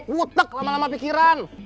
butek lama lama pikiran